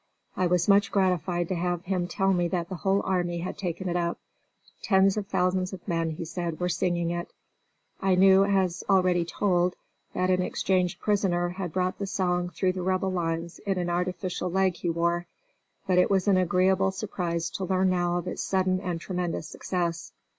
I was much gratified to have him tell me that the whole army had taken it up. "Tens of thousands of men," he said, "were singing it." I knew, as already told, that an exchanged prisoner had brought the song through the Rebel lines in an artificial leg he wore, but it was an agreeable surprise to now learn of its sudden and tremendous success.